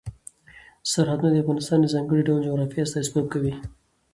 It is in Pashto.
سرحدونه د افغانستان د ځانګړي ډول جغرافیه استازیتوب کوي.